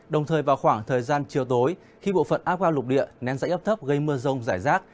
đồng thời vào khoảng thời gian chiều tối khi bộ phận áp cao lục địa nén dãy ấp thấp gây mưa rông rải rác